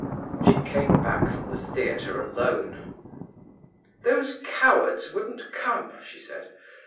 She came back from the theatre alone. 'Those cowards wouldn't come,' she said.